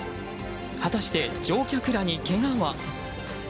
果たして、乗客らにけがは？